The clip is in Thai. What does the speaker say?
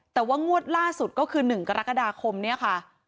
แต่ว่างวดล่าสุดก็คือ๑กรกฎาคมเนี่ยค่ะ